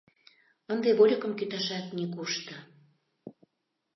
Ынде вольыкым кӱташат нигушто.